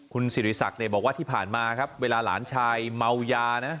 คุณสิริศักดิ์บอกว่าที่ผ่านมาครับเวลาหลานชายเมายานะ